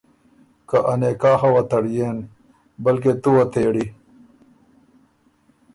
که ا نکاحه وه تړيېن۔ بلکې تُو وه تېړی“۔